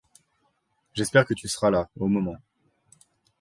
J’espère que tu seras là, au moment.